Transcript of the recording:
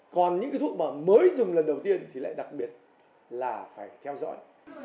còn những cái thuốc mà mới dùng lần đầu tiên thì lại đặc biệt là phải theo dõi